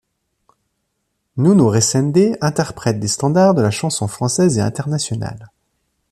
Nuno Resende interprète des standards de la chanson française et internationale.